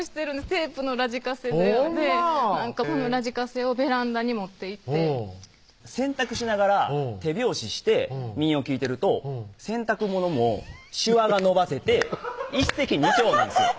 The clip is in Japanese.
テープのラジカセでこのラジカセをベランダに持っていって洗濯しながら手拍子して民謡聴いてると洗濯物もしわが伸ばせて一石二鳥なんですよ